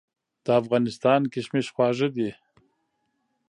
د افغانستان کشمش خواږه دي.